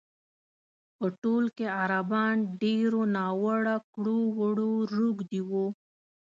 په ټول کې عربان ډېرو ناوړه کړو وړو روږ دي وو.